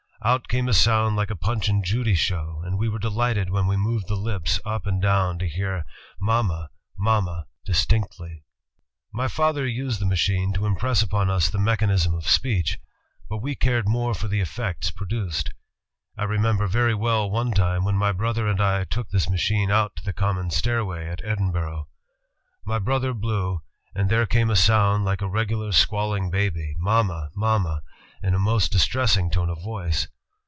Out came a sound like a Punch and Judy show, and we were delighted when we moved the lips up and down to hear 'Ma ma! Ma ma! ' distinctly. ... ''My father used the machine to impress upon us the mechanism of speech, but we cared more for the effects produced. I remember very well, one time, when my brother and I took this machine out to the common stair ALEXANDER GRAHAM BELL way at Edinburgh. .., My brother blew, and there came a sound like a regu lar squalling baby, 'Ma ma! Ma ma!' in a most distresMng tone of voice.